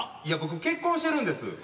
いや僕結婚してるんです。